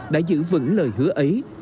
đã giữ vững lời hứa ấy